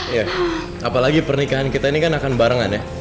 ya apalagi pernikahan kita ini kan akan barengan ya